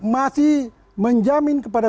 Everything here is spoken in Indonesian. masih menjamin kepada